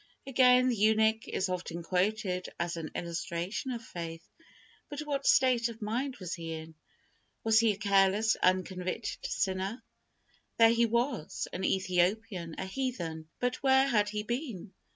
Again, the eunuch is often quoted as an illustration of faith; but what state of mind was he in? Was he a careless, unconvicted sinner? There he was an Ethiopian, a heathen; but where had he been?